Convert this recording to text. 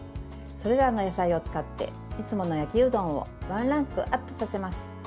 それらの野菜を使っていつもの焼きうどんをワンランクアップさせます。